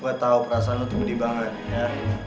gue tau perasaan lo tuh gede banget ya